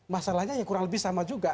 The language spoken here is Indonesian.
masalahnya ya kurang lebih sama juga